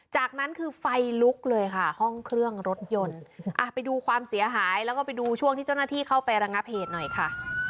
จากนั้นคือไฟลุกเลยค่ะห้องเครื่องรถยนต์ไปดูความเสียหายแล้วก็ไปดูช่วงที่เจ้าหน้าที่เข้าไประงับเหตุหน่อยค่ะ